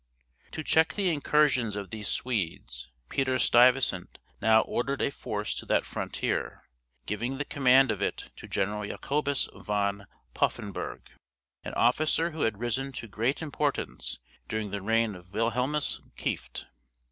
To check the incursions of these Swedes, Peter Stuyvesant now ordered a force to that frontier, giving the command of it to General Jacobus Van Poffenburgh, an officer who had risen to great importance during the reign of Wilhelmus Kieft.